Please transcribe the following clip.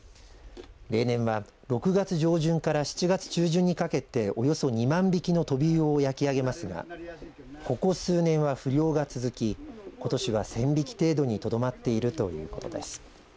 例年は６月上旬から７月中旬にかけておよそ２万匹のトビウオを焼き上げますがここ数年は不漁が続きことしは１０００匹程度にとどまっているということです。